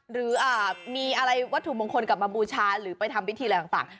หรือมีอะไรวัตถุมงคลกลับมาบูชาหรือไปทำพิธีอะไรต่าง